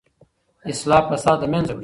اصلاح فساد له منځه وړي.